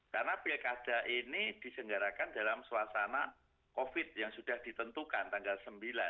karena pilkada ini diselenggarakan dalam suasana covid yang sudah ditentukan tanggal sembilan